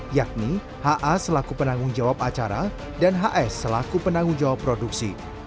yakni ha selaku penanggung jawab acara dan hs selaku penanggung jawab produksi